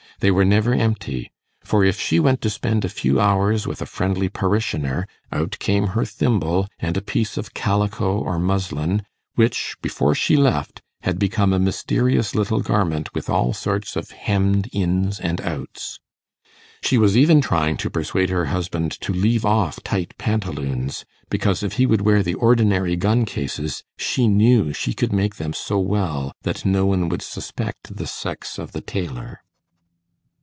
they were never empty; for if she went to spend a few hours with a friendly parishioner, out came her thimble and a piece of calico or muslin, which, before she left, had become a mysterious little garment with all sorts of hemmed ins and outs. She was even trying to persuade her husband to leave off tight pantaloons, because if he would wear the ordinary gun cases, she knew she could make them so well that no one would suspect the sex of the tailor.